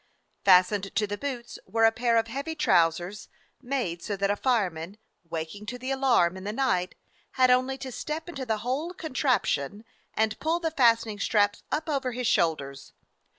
Fastened to the boots were a pair of heavy trousers, made so that a fireman, waking to the alarm in the night, had only to step into the whole "con traption" and pull the fastening straps up over his shoulders.